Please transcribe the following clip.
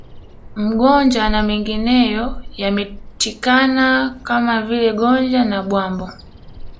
Mgonja na mengineyo yametikana Kama vile Gonja na Bwambo